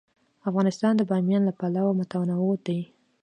افغانستان د بامیان له پلوه متنوع دی.